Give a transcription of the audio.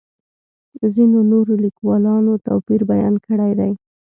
ځینو نورو لیکوالو توپیر بیان کړی دی.